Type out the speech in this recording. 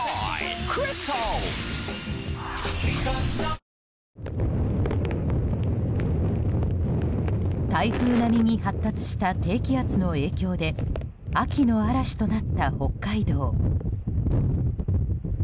三菱電機台風並みに発達した低気圧の影響で秋の嵐となった北海道。